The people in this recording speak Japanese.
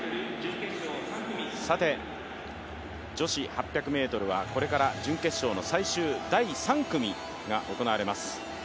女子８００ｍはこれから準決勝の最終第３組が行われます。